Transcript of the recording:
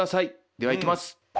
ではいきます。